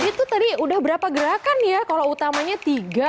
itu tadi udah berapa gerakan ya kalau utamanya tiga